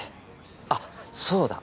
あっそうだ！